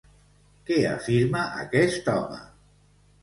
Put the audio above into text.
Què afirma aquest home?